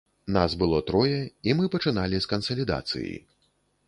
Нас было трое, і мы пачыналі з кансалідацыі.